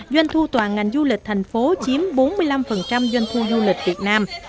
doanh thu toàn ngành du lịch thành phố chiếm bốn mươi năm doanh thu du lịch việt nam